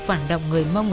phản động người mông